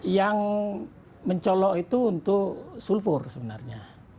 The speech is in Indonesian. yang mencolok itu untuk sulfur sebenarnya